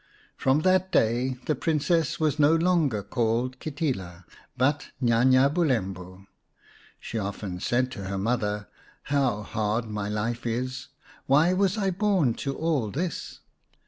From that day the Princess was no longer called Kitila, but Nya nya Bulembu. She often said to her mother, " How hard my life is ! Why was I born to all this